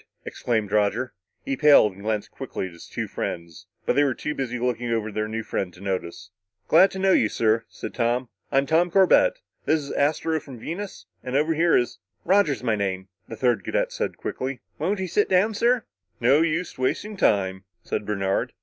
exclaimed Roger. He paled and glanced quickly at his two friends, but they were too busy looking over their new friend to notice. "Glad to know you, sir," said Tom. "I'm Tom Corbett. This is Astro, from Venus. And over here is " "Roger's my name," the third cadet said quickly. "Won't you sit down, sir?" "No use wasting time," said Bernard.